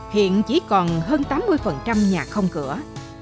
hiện chỉ còn hơn tám mươi nhà không cửa